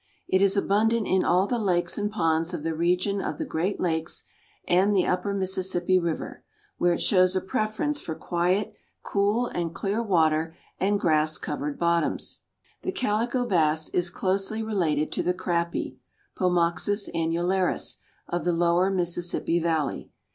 It is abundant in all the lakes and ponds of the region of the Great Lakes and the upper Mississippi river, where it shows a preference for quiet, cool and clear water and grass covered bottoms. The Calico Bass is closely related to the Crappie (Pomoxys annularis) of the lower Mississippi valley.